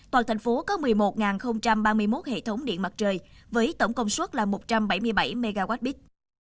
toàn thành phố có một mươi một ba mươi một hệ thống điện mặt trời với tổng công suất là một trăm bảy mươi bảy mwp